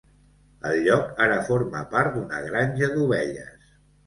El lloc ara forma part d'una granja d'ovelles.